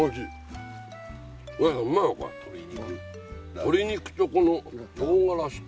鶏肉とこのとうがらしと。